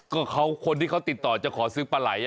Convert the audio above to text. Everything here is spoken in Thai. ก็เขาคนที่เขาติดต่อจะขอซื้อปลาไหล่